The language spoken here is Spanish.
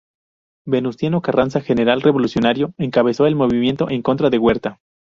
Venustiano Carranza, general revolucionario encabezó el movimiento en contra de Huerta.